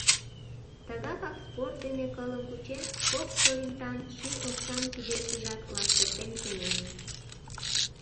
Тыгакак спорт дене кылым кучен, кок форинтан ший оксам кидешыжак лаштыртен сеҥен.